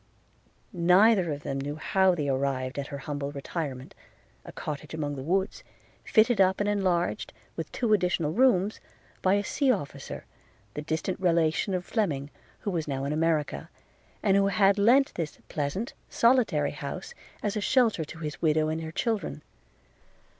Neither of them knew how they arrived at her humble retirement, a cottage among the woods, fitted up and enlarged with two additional rooms by a sea officer, the distant relation of Fleming, who was now in America, and who had lent this pleasant, solitary house as a shelter to his widow and her children.